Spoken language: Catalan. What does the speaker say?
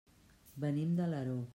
Venim d'Alaró.